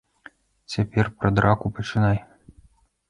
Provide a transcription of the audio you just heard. Цяпер пра драку пачынай.